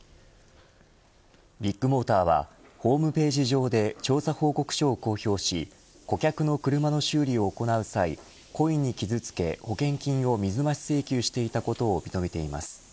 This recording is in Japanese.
ビッグモーターはホームページ上で調査報告書を公表し顧客の車の修理を行う際故意に傷付け、保険金を水増し請求していたことを認めています。